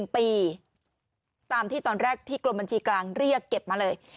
๑ปีตามที่ตอนแรกที่กรมบัญชีกลางเรียกเก็บมาเลย